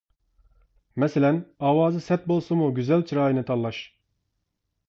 مەسىلەن: ئاۋازى سەت بولسىمۇ گۈزەل چىرايىنى تاللاش.